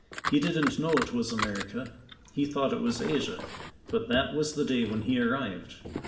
He didn't know it was America; he thought it was Asia, but that was the day when he arrived.